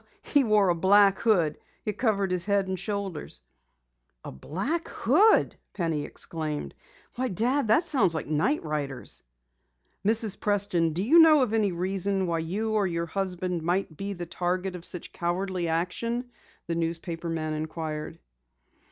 "He wore a black hood. It covered his head and shoulders." "A black hood!" Penny exclaimed. "Why, Dad, that sounds like night riders!" "Mrs. Preston, do you know of any reason why you and your husband might be made the target of such cowardly action?" the newspaper man inquired.